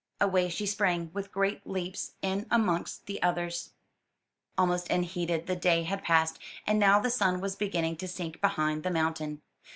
Away she sprang with great leaps, in amongst the others. Almost unheeded the day had passed, and now the sun was beginning to sink behind the mountain.